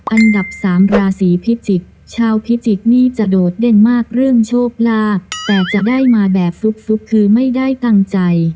อันดับสามราศีพิจิกษ์ชาวพิจิกษ์นี่จะโดดเด่นมากเรื่องโชคลาภแต่จะได้มาแบบฟุกคือไม่ได้ตั้งใจ